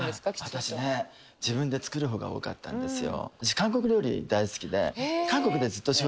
私ね自分で作るほうが多かったんですよ。